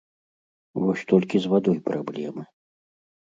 Вось толькі з вадой праблемы.